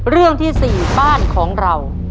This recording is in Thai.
เรื่องที่๔บ้านของเรา